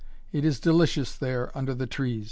It is delicious there under the trees."